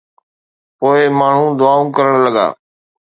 پوءِ ماڻهو دعائون ڪرڻ لڳندا آهن.